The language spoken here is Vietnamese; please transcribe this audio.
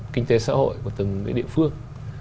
kinh tế xã hội của từng cái địa phương